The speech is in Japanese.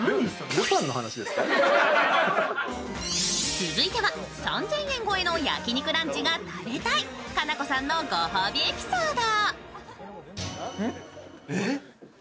続いては３０００円超えの焼き肉ランチが食べたい、かなこさんのご褒美エピソード。